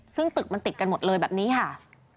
ซึ่งตึกมันติดกันหมดเลยแบบนี้ค่ะ